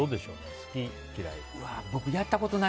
好き？嫌い？